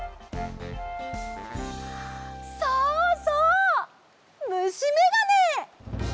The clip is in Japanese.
そうそうむしめがね！